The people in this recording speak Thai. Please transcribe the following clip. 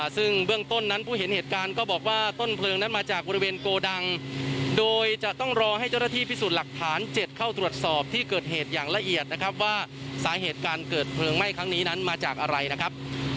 ซึ่งเบื้องต้นนั้นผู้เห็นเหตุการณ์ก็บอกว่าต้นเพลิงนั้นมาจากบริเวณโกดังโดยจะต้องรอให้เจ้าหน้าที่พิสูจน์หลักฐาน๗เข้าตรวจสอบที่เกิดเหตุอย่างละเอียดนะครับว่าสาเหตุการเกิดเพลิงไหม้ครั้งนี้นั้นมาจากอะไรนะครับ